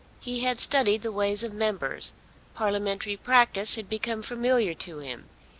He had studied the ways of Members. Parliamentary practice had become familiar to him.